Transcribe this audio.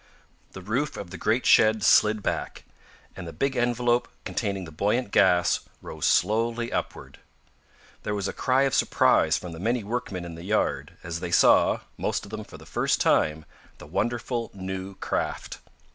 The roof of the great shed slid back, and the big envelope containing the buoyant gas rose slowly upward. There was a cry of surprise from the many workmen in the yard, as they saw, most of them for the first time, the wonderful new craft.